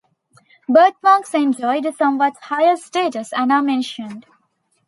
Birthmarks enjoyed a somewhat higher status, and are mentioned.